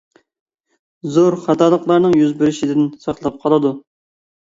زور خاتالىقلارنىڭ يۈز بېرىشىدىن ساقلاپ قالىدۇ.